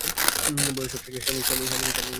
বয়স ষাট, স্বামী নেই, একা থাকেন।